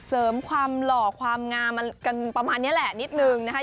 เสริมความหล่อความงามกันประมาณนี้แหละนิดนึงนะคะ